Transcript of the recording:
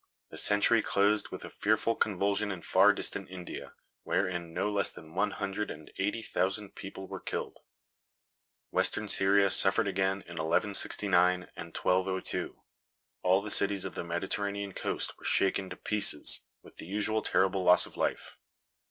The century closed with a fearful convulsion in far distant India, wherein no less than one hundred and eighty thousand people were killed. Western Syria suffered again in 1169 and 1202. All the cities of the Mediterranean coast were shaken to pieces, with the usual terrible loss of life.